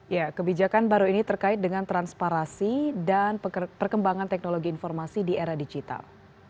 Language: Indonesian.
ya kebijakan baru ini terkait dengan transparansi dan perkembangan teknologi informasi di era digital